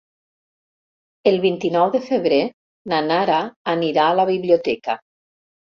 El vint-i-nou de febrer na Nara anirà a la biblioteca.